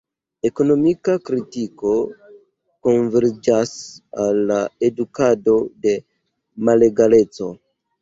Ekonomika kritiko konverĝas al edukado de malegaleco.